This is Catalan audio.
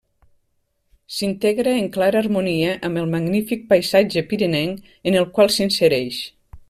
S'integra en clara harmonia amb el magnífic paisatge pirinenc en el qual s'insereix.